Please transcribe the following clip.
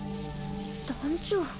団長。